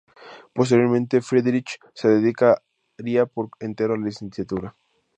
Posteriormente, Friedrich se dedicaría por entero a la literatura.